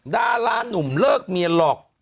ดารานุ่มเลิกเมียหลอก